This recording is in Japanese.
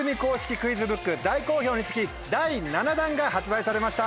クイズブック大好評につき第７弾が発売されました。